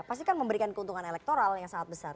pasti kan memberikan keuntungan elektoral yang sangat besar